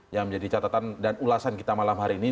yang menjadi catatan dan ulasan kita malam hari ini